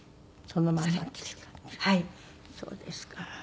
そうですか。